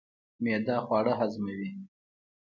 معده خواړه هضموي.